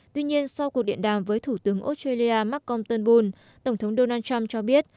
tuy nhiên sau cuộc điện đàm với thủ tướng australia mark compton boone tổng thống donald trump cho biết